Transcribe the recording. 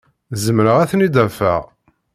Zemreɣ ad ten-id-afeɣ.